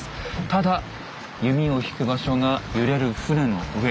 ただ弓を引く場所が揺れる船の上。